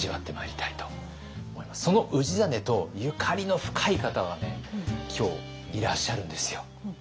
その氏真とゆかりの深い方がね今日いらっしゃるんですよ。